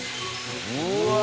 うわ！